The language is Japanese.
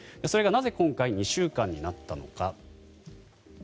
それがなぜ今回２週間になったのか。